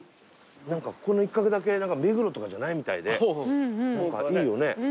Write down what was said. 何かここの一角だけ目黒とかじゃないみたいで何かいいよね。